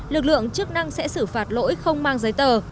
lực lượng chức năng sẽ xử phạt lỗi không mang giấy tờ